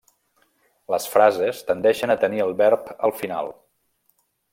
Les frases tendeixen a tenir el verb al final.